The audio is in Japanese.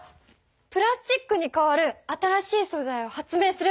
プラスチックにかわる新しいそざいを発明すれば！